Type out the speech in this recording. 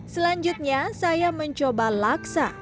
selanjutnya saya mencoba laksa